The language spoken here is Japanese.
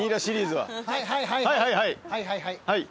はいはいはい。